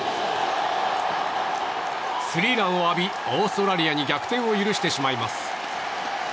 スリーランを浴びオーストラリアに逆転を許してしまいます。